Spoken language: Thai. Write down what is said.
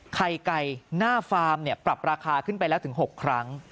ไข่ไก่หน้าฟาร์มเนี่ยปรับราคาขึ้นไปแล้วถึง๖ครั้ง